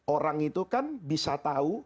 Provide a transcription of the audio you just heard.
orang itu kan bisa tahu